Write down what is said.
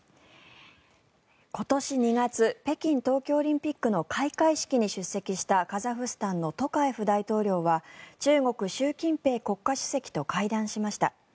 今年２月北京冬季オリンピックの開会式に出席したカザフスタンのトカエフ大統領は中国、習近平国家主席と会談しました。